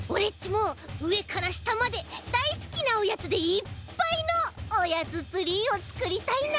もうえからしたまでだいすきなおやつでいっぱいのおやつツリーをつくりたいな！